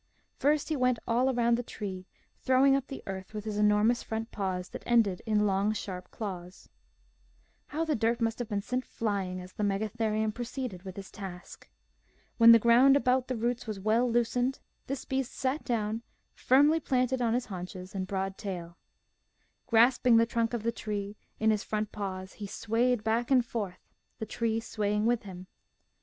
First he went all round the tree, throwing up the earth with his enormous front paws that ended in long, sharp claws. How the dirt must have been sent flying as the Megathe rium proceeded with his task ! When the ground about the roots was well loosened, this beast sat down, firmly planted on his haunches and broad Restoration by Clement B. Davis MEGATHERIUMS GATHERING FOOD 136 MIGHTY ANIMALS tail. Grasping the trunk of the tree in his front paws he swayed back and forth, the tree swaying with him.